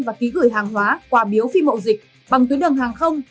và ký gửi hàng hóa quà biếu phi mậu dịch bằng tuyến đường hàng không